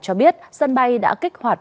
cho biết sân bay đã kích hoạt